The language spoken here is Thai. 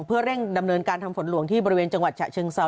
เพื่อเร่งดำเนินการทำฝนหลวงที่บริเวณจังหวัดฉะเชิงเซา